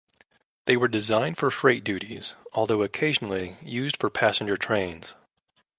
They were designed for freight duties, although occasionally used for passenger trains.